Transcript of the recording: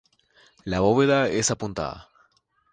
La bóveda es apuntada.